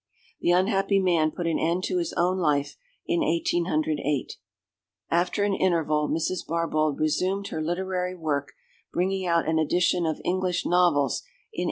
The unhappy man put an end to his own life in 1808. After an interval, Mrs. Barbauld resumed her literary work, bringing out an edition of English Novels in 1810.